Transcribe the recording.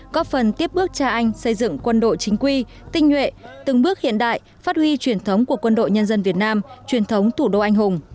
có phần tiếp bước cha anh xây dựng quân đội chính quy tinh nhuệ từng bước hiện đại phát huy truyền thống của quân đội nhân dân việt nam truyền thống thủ đô anh hùng